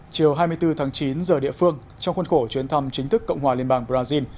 chiều hai mươi bốn tháng chín giờ địa phương trong khuôn khổ chuyến thăm chính thức cộng hòa liên bang brazil